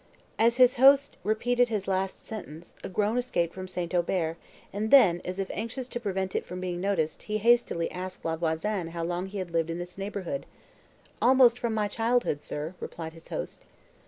As his host repeated his last sentence, a groan escaped from St. Aubert, and then, as if anxious to prevent it from being noticed, he hastily asked La Voisin how long he had lived in this neighbourhood. "Almost from my childhood, sir," replied his host.